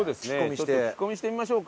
ちょっと聞き込みしてみましょうか。